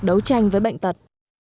đấu tranh với bệnh tật